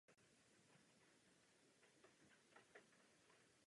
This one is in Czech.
Podle představ historiků mohly být obě budovy propojeny dřevěnou lávkou či mostem.